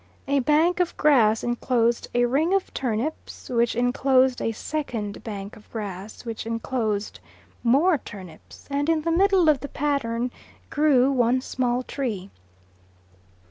A bank of grass enclosed a ring of turnips, which enclosed a second bank of grass, which enclosed more turnips, and in the middle of the pattern grew one small tree.